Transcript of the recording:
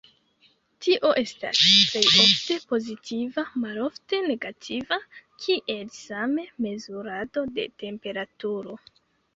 Tio estas plej ofte pozitiva, malofte negativa, kiel same mezurado de temperaturo.